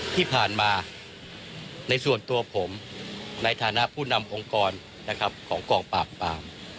ที่ผ่านมาในส่วนตัวผมในฐานะผู้นำองค์กรของกองปราบปราม